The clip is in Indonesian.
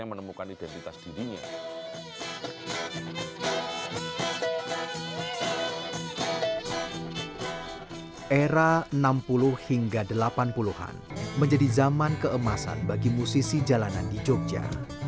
menjadi zaman keemasan bagi musisi jalanan di jogja